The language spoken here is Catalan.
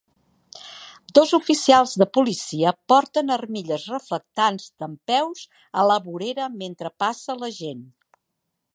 Dos oficials de policia porten armilles reflectants dempeus a la vorera mentre passa la gent.